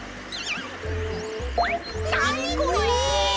なにこれ！？